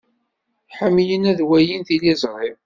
Ḥemmlen ad walin tiliẓri.